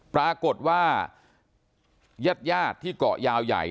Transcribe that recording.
ปรากฏว่าญาติที่เกาะยาวใหญ่